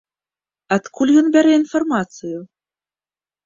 Адкуль ён бярэ інфармацыю?